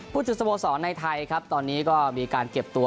จุดสโมสรในไทยครับตอนนี้ก็มีการเก็บตัว